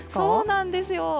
そうなんですよ。